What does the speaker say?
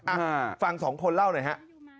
อ่ะฟังสองคนเล่าหน่อยฮะ